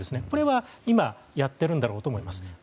これは今やっていると思います。